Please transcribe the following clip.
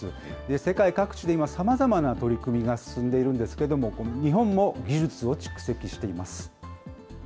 世界各地で今、さまざまな取り組みが進んでいるんですけれども、日本も技術を蓄積しています。